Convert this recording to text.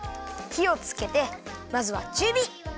ひをつけてまずはちゅうび！